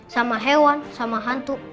sama hewan sama hantu